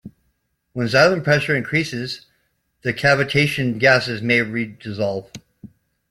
When xylem pressure increases, the cavitation gases may redissolve.